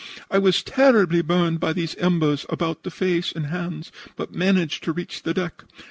I was terribly burned by these embers about the face and hands, but managed to reach the deck.